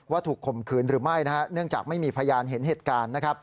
ถูกข่มขืนหรือไม่เนื่องจากไม่มีพยานเห็นเหตุการณ์